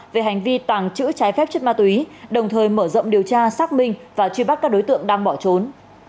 về hành vi tàng trữ trái phép chất ma túy đồng thời mở rộng điều tra xác minh và truy bắt các đối tượng đang bỏ trốn